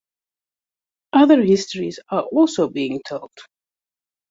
Other histories are also being told.